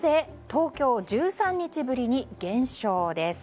東京１３日ぶりに減少です。